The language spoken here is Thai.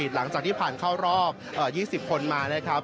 หลังจากที่ผ่านเข้ารอบ๒๐คนมานะครับ